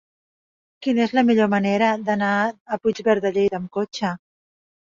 Quina és la millor manera d'anar a Puigverd de Lleida amb cotxe?